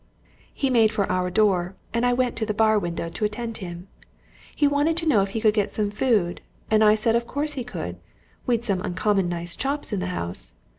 He made for our door, and I went to the bar window to attend to him. He wanted to know if he could get some food, and I said of course he could we'd some uncommon nice chops in the house.